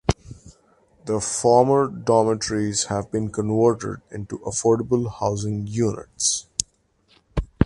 The former dormitories have been converted into affordable housing units.